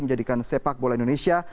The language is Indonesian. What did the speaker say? menjadikan sepak bola indonesia